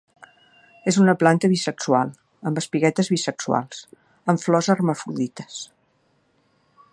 És una planta bisexual, amb espiguetes bisexuals; amb flors hermafrodites.